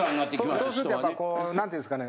そうするとやっぱこうなんていうんですかね。